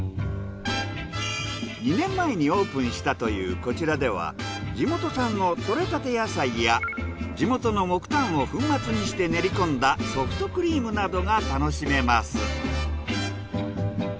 ２年前にオープンしたというこちらでは地元産の採れたて野菜や地元の木炭を粉末にして練りこんだソフトクリームなどが楽しめます。